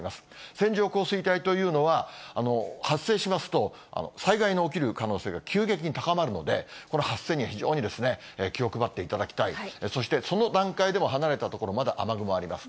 線状降水帯というのは、発生しますと、災害の起きる可能性が急激に高まるので、この発生には非常に気を配っていただきたい、そして、その段階でも離れた所、まだ雨雲あります。